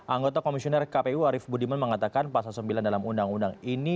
anggota komisioner kpu arief budiman mengatakan pasal sembilan dalam undang undang ini